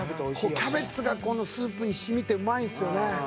「キャベツがこのスープに染みてうまいんですよね」